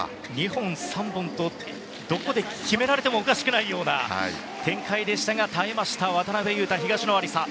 ２本、３本とどこで決められてもおかしくないような展開でしたが耐えました渡辺勇大と東野有紗。